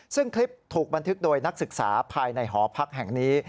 ซึ่งคลิปถูกบันทึกโดยนักศึกษาภายในหอพักแห่งนี้